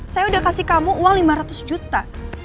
saya udah kasih kamu uang lima ratus juta